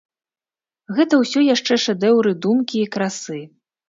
Гэта ўсё яшчэ шэдэўры думкі і красы.